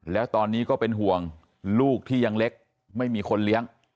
แล้วตอนนี้ก็เป็นห่วงลูกที่ยังเล็กไม่มีคนเลี้ยง